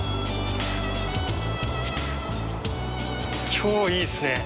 今日いいっすね